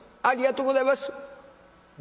ありがとうございます！」。